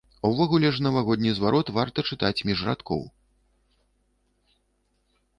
Увогуле ж навагодні зварот варта чытаць між радкоў.